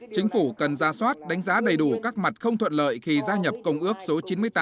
chính phủ cần ra soát đánh giá đầy đủ các mặt không thuận lợi khi gia nhập công ước số chín mươi tám